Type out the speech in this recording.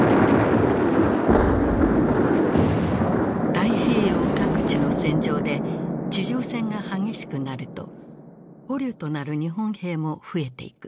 太平洋各地の戦場で地上戦が激しくなると捕虜となる日本兵も増えていく。